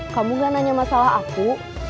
kamu gak nanya masalah aku